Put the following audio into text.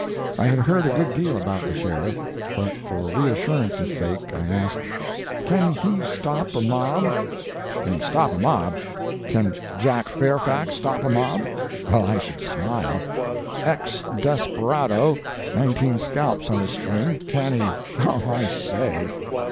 I had heard a good deal about the sheriff, but for reassurance's sake I asked, "Can he stop a mob?" "Can he stop a mob! Can Jack Fairfax stop a mob! Well, I should smile! Ex desperado nineteen scalps on his string. Can he! Oh, I say!"